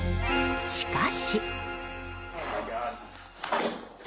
しかし。